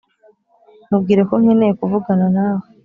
mubwire ko nkeneye kuvugana nawe.